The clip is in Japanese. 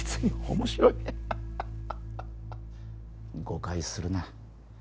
誤解するな。